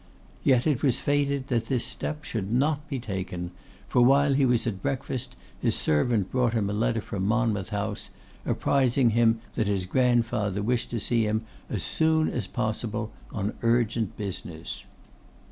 Yet it was fated that this step should not be taken, for while he was at breakfast, his servant brought him a letter from Monmouth House, apprising him that his grandfather wished to see him as soon as possible on urgent business.